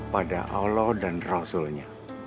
pada allah dan rasulnya